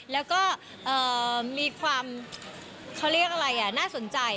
แล้วก็มีความเขาเรียกอะไรน่าสนใจ